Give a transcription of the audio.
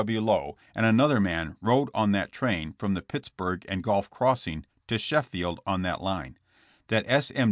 W. Lowe and another man rode on that train from the Pitts burg and Gulf crossing to Sheffield on that line ; that S. M.